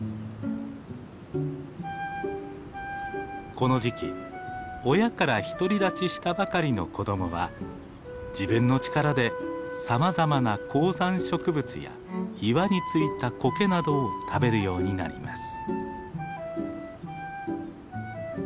この時期親から独り立ちしたばかりの子供は自分の力でさまざまな高山植物や岩に付いたこけなどを食べるようになります。